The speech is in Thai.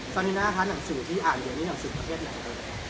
สอนิน่าคะหนังสือที่อ่านเรียนมีหนังสือประเภทอย่างไรครับ